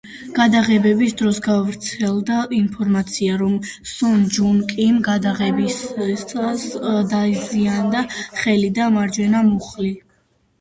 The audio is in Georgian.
გადაღებების დროს გავრცელდა ინფორმაცია, რომ სონ ჯუნ კიმ გადაღებებისას დაიზიანა ხელი და მარჯვენა მუხლი.